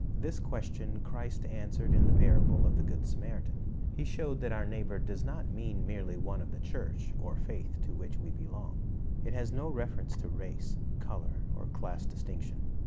This question Christ answered in the p^irable of the good Samaritan. He showed that our neighbor does not mean merely one of the church or faith to which we belong. It has no reference to race, color, or class distinction.